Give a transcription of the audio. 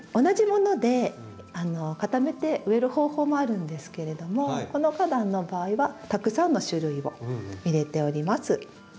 同じもので固めて植える方法もあるんですけれどもこの花壇の場合はたくさんの種類を入れております。